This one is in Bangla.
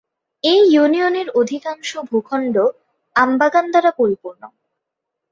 এই ইউনিয়নের অধিকাংশ ভূখণ্ড আম বাগান দ্বারা পরিপূর্ণ।